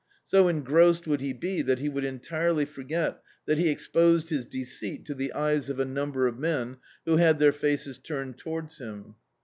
So engrossed would he be that he would entirely forget that he exposed his deceit to the eyes of a number of men who had their faces turned towards him.